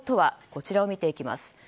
こちらを見ていきます。